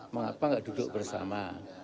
mengapa enggak duduk bersama